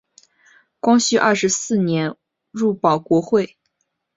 光绪二十四年入保国会。